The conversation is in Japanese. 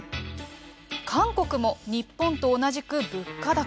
韓国も日本と同じく物価高。